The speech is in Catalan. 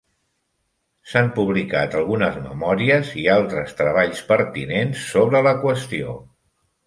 S'han publicat algunes memòries i antres treballs pertinents sobre la qüestió.